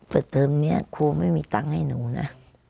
เติมนี้ครูไม่มีตังค์ให้หนูนะ